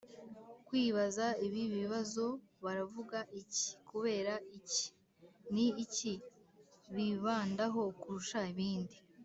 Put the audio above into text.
kwibaza ibi bibazo: baravuga iki? kubera iki? ni iki bibandaho kurusha ibindi?